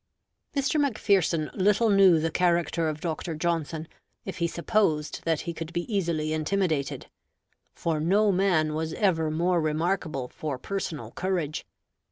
Mr. Macpherson little knew the character of Dr. Johnson if he supposed that he could be easily intimidated; for no man was ever more remarkable for personal courage.